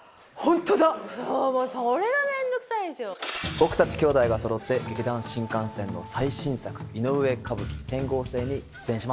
僕たち兄弟が揃って劇団☆新感線の最新作いのうえ歌舞伎『天號星』に出演します。